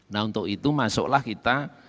nah untuk itu masuklah kita